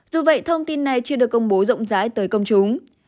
dù vậy thông tin này chưa được công bố rộng rãi tới công chúng